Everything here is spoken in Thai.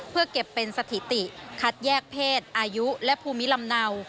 เพื่อเก็บเป็นสถิติคัดแยกเพศอายุและภูมิลำเนา